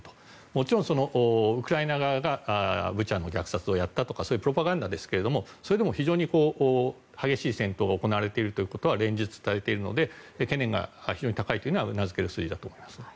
もちろんウクライナ側がブチャの虐殺をやったとかそういうプロパガンダですがそれでも非常に激しい戦闘が行われているということは連日伝えられているので懸念が非常に高いというのはうなずける数字だと思いますね。